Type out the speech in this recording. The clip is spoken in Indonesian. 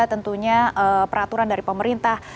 tentunya peraturan dari pemerintah